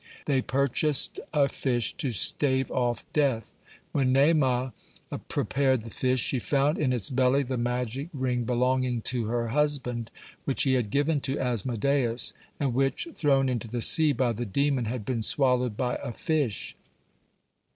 They purchased a fish to stave off death. When Naamah prepared the fish, she found in its belly the magic ring belonging to her husband, which he had given to Asmodeus, and which, thrown into the sea by the demon, had been swallowed by a fish.